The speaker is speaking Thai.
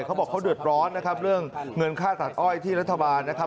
เขาบอกเขาเดือดร้อนนะครับเรื่องเงินค่าตัดอ้อยที่รัฐบาลนะครับ